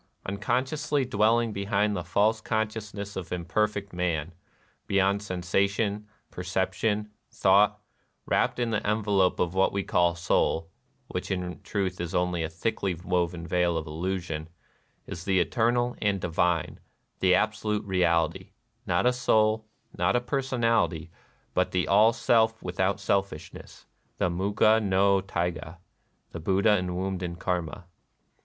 Unconsciously dwelling behind the false consciousness of imperfect man, — beyond sensation, perception, thought, — wrapped in tlie envelope of what we call soul (which in truth is only a thickly woven veil of illusion), is the eternal and divine, the Absolute Real ity : not a soul, not a personality, but the All Self without selfishness, — the Muga no Taiga, — the Buddha enwombed in Karma.